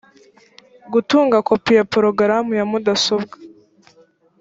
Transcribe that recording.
gutunga kopi ya porogaramu ya mudasobwa